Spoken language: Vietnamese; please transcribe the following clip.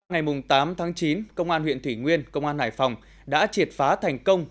ngày tám tháng chín công an huyện thủy nguyên công an hải phòng đã triệt phá thành công